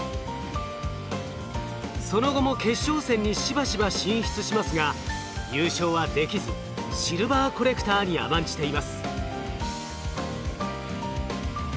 その後も決勝戦にしばしば進出しますが優勝はできずシルバーコレクターに甘んじています。